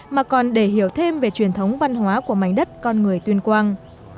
mà còn để hiểu thêm về truyền thống văn hóa của mảnh đất con người tuyên quang